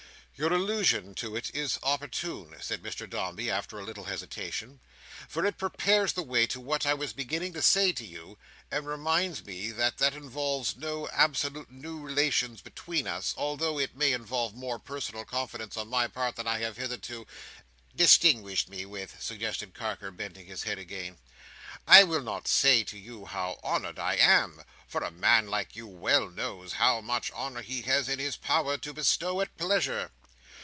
"Your allusion to it is opportune," said Mr Dombey, after a little hesitation; "for it prepares the way to what I was beginning to say to you, and reminds me that that involves no absolutely new relations between us, although it may involve more personal confidence on my part than I have hitherto—" "Distinguished me with," suggested Carker, bending his head again: "I will not say to you how honoured I am; for a man like you well knows how much honour he has in his power to bestow at pleasure."